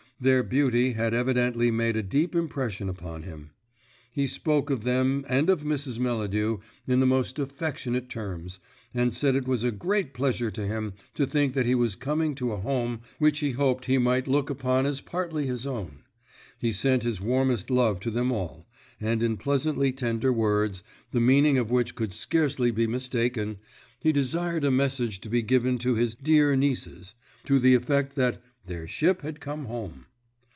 Their beauty had evidently made a deep impression upon him. He spoke of them and of Mrs. Melladew in the most affectionate terms, and said it was a great pleasure to him to think that he was coming to a home which he hoped he might look upon as partly his own. He sent his warmest love to them all, and in pleasantly tender words, the meaning of which could scarcely be mistaken, he desired a message to be given to his "dear nieces," to the effect that "their ship had come home."